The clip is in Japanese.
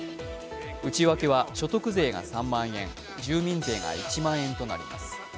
内訳は所得税が３万円、住民税が１万円となります。